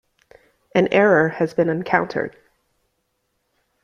An error has been encountered.